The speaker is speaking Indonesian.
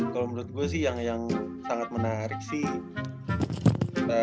kalo menurut gue sih yang yang sangat menarik sih